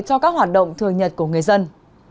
cho các hoạt động thường nhật của người dân